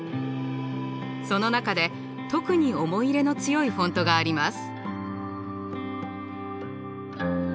その中で特に思い入れの強いフォントがあります。